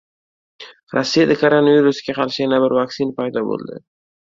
Rossiyada koronavirusga qarshi yana bir vaksina paydo bo‘ldi